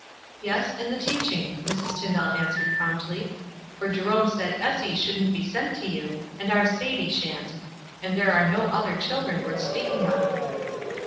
"Yes, and the teaching," Mrs. Tyndall an swered, promptly. "For Jerome said Essie shouldn't be sent to you, and our Sadie shan't. And there are no other children worth speaking of."